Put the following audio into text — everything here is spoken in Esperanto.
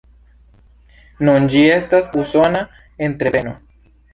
Nun ĝi estas Usona entrepreno.